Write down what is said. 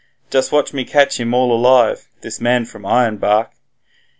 Just watch me catch him all alive, this man from Ironbark.'